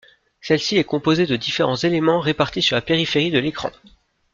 Celle-ci est composée de différents éléments répartis sur la périphérie de l'écran.